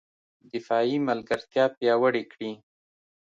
دفاعي ملګرتیا پیاوړې کړي